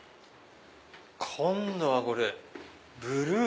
今度はこれブルー？